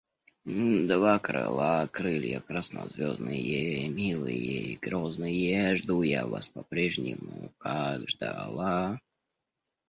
Два крыла, Крылья краснозвездные, Милые и грозные, Жду я вас по-прежнему, Как ждала.